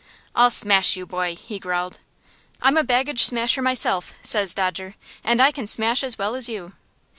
"'I'll smash you, boy,' he growled. "'I'm a baggage smasher myself,' says Dodger, 'and I can smash as well as you.'